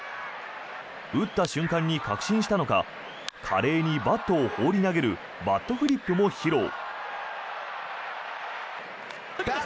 打った瞬間に確信したのか華麗にバットを放り投げるバットフリップも披露。